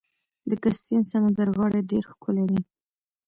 د کسپین سمندر غاړې ډیرې ښکلې دي.